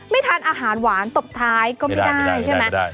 ไม่ทานอาหารหวานตบท้ายก็ไม่ได้ใช่ไหมไม่ได้ไม่ได้